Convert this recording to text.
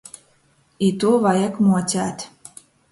I tū vajag muocēt!